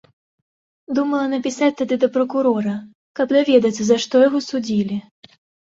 Думала напісаць тады да пракурора, каб даведацца, за што яго судзілі.